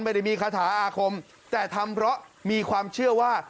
ไม่ได้มีคาถาอาคมแต่ทำเพราะมีความเชื่อว่า